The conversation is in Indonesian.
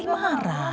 bisa kena panggilnya